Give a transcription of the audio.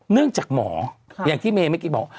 เนื่องจากหมออย่างที่เมเมกิบอก